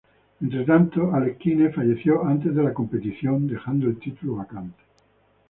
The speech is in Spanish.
Entretanto, Alekhine falleció antes de la competencia, dejando el título vacante.